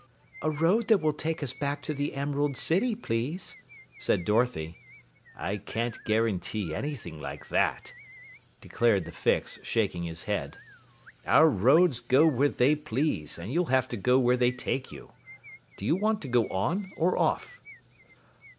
"A road that will take us back to the Emerald City, please," said Dorothy. "I can't guarantee anything like that," declared the Fix, shaking his head. "Our roads go where they please, and you'll have to go where they take you. Do you want to go on or off?"